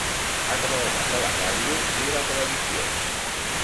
Ha treballat a la ràdio i la televisió.